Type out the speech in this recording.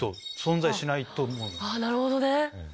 なるほどね！